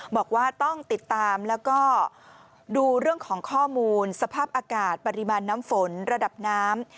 บอกว่าต้องติดตามแล้วก็ดูเรื่องของข้อมูลสภาพอากาศปริมาณน้ำฝนระดับน้ำ